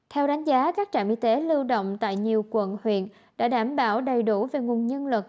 theo đánh giá các trạm y tế lưu động tại nhiều quận huyện đã đảm bảo đầy đủ về nguồn nhân lực